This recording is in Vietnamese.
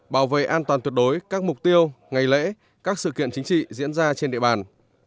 bảo vệ an toàn tuyệt đối các mục tiêu ngày lễ các sự kiện chính trị diễn ra trên địa bàn